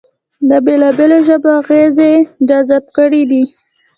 د بېلابېلو ژبو اغېزې جذب کړې دي